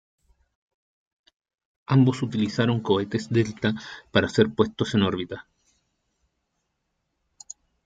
Ambos utilizaron cohetes Delta para ser puestos en órbita.